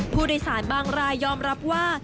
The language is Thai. ผู้โดยสารบางรายยอมรับว่า